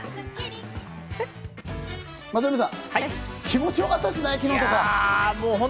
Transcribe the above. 松並さん、気持ち良かったですね、昨日とか。